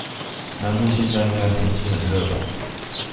南部現在應該天氣很熱吧？